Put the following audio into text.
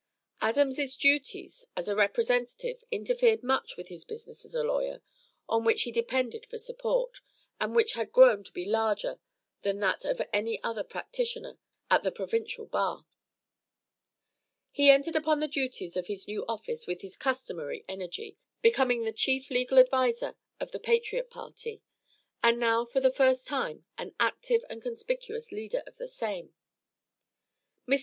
Adams' duties as a Representative interfered much with his business as a lawyer, on which he depended for support, and which had grown to be larger than that of any other practitioner at the provincial bar. He entered upon the duties of his new office with his customary energy, becoming the chief legal advisor of the Patriot party, and now for the first time an active and conspicuous leader of the same. Mr.